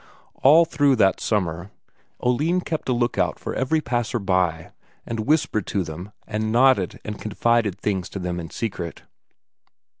All through that summer, Oline kept a look out for every passer by, and whispered to them and nodded and confided things to them in secret.